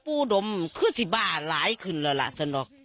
ปูดมขึ้นเสียบ้านหลายขึ้นแล้วล่ะซะเนอะ